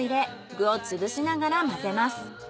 具を潰しながら混ぜます。